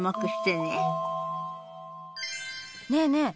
ねえねえ